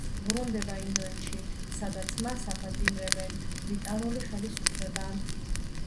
ბრუნდება ინდოეთში, სადაც მას აპატიმრებს ბრიტანული ხელისუფლება.